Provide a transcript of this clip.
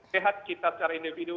sehat kita secara individu